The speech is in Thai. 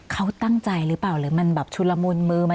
เขาตั้งใจหรือเปล่ามันฉุนละมุนมือ